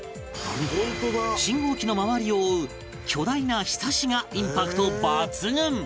信号機の周りを覆う巨大な庇がインパクト抜群！